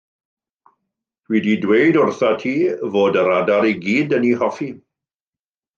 Dw i 'di dweud wrthat ti fod yr adar i gyd yn ei hoffi.